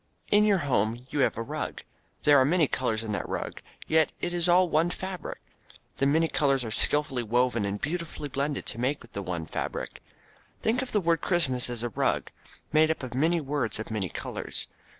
In your home you have a rug. There are many colors in that rug, yet it is all one fabric. The many colors are skillfully woven and beautifully blended to make the one fabric. Think of this word Christmas as a rug, made up of many words of many colors.